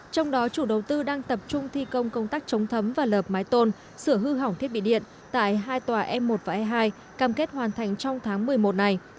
trong đó chủ đầu tư đang tập trung thi công công tác chống thấm và lợp mái tôn sửa hư hỏng thiết bị điện tại hai tòa e một và e hai cam kết hoàn thành trong tháng một mươi một này